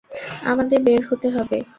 আমাদের বের হতে হবে!